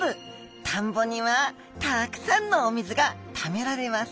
田んぼにはたくさんのお水がためられます。